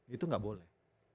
itu gak boleh